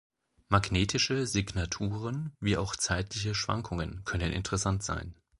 Magnetische Signaturen wie auch zeitliche Schwankungen können interessant sein.